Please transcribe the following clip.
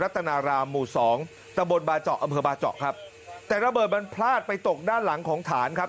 รัตนารามมู่๒ตระบบบาเจาะแต่ระเบิดบันพลาดไปตกด้านหลังของฐานครับ